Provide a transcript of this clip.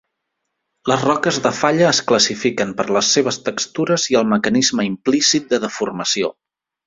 Les roques de falla es classifiquen per les seves textures i el mecanisme implícit de deformació.